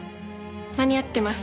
間に合ってます。